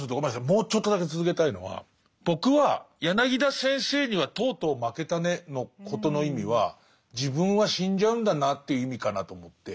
もうちょっとだけ続けたいのは僕は柳田先生にはとうとう負けたねのことの意味は自分は死んじゃうんだなという意味かなと思って。